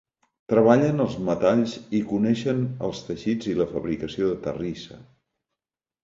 Treballen els metalls i coneixen els teixits i la fabricació de terrissa.